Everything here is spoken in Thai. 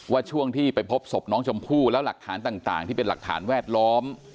ช่วงที่ไปพบศพน้องชมพู่แล้วหลักฐานต่างที่เป็นหลักฐานแวดล้อม